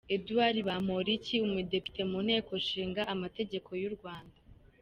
Edouard Bamporiki umudepite mu Nteko ishinga amategeko y’u Rwanda.